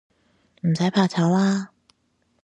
唔使怕醜啦